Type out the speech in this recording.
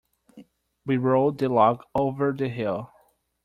We rolled the log over the hill.